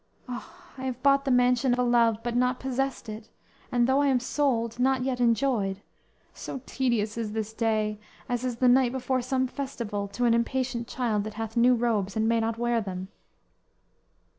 O, I have bought the mansion of a love, But not possessed it; and, though I am sold; Not yet enjoyed; so tedious is this day, As is the night before some festival To an impatient child that hath new robes, And may not wear them!"